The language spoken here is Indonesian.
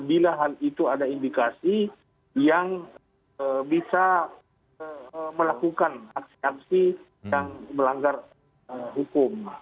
dan itu ada indikasi yang bisa melakukan aksi aksi yang melanggar hukum